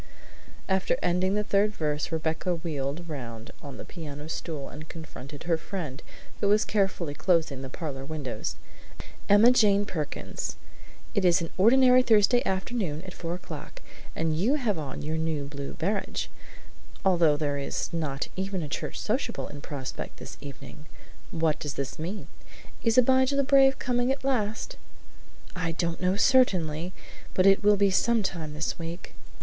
After ending the third verse Rebecca wheeled around on the piano stool and confronted her friend, who was carefully closing the parlor windows: "Emma Jane Perkins, it is an ordinary Thursday afternoon at four o'clock and you have on your new blue barege, although there is not even a church sociable in prospect this evening. What does this mean? Is Abijah the Brave coming at last?" "I don't know certainly, but it will be some time this week."